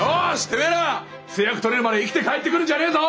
てめえら成約取れるまで生きて帰ってくるんじゃねえぞ！